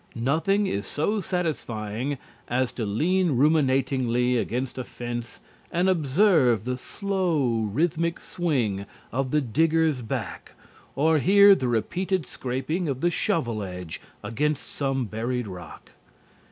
Nothing is so satisfying as to lean ruminatingly against a fence and observe the slow, rhythmic swing of the digger's back or hear the repeated scraping of the shovel edge against some buried rock.